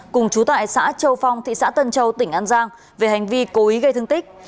cùng chú tại xã châu phong thị xã tân châu tỉnh an giang về hành vi cố ý gây thương tích